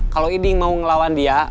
kalau eading mau ngelawan dia